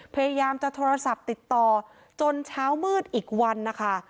พยายามจะโทรศัพท์ติดต่อจนเช้ามืดอีกวันนะคะ